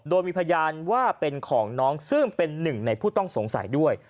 โดยมีพยานว่าเป็นของน้องซึ่งเป็นหนึ่งในผู้ต้องสงสัยด้วย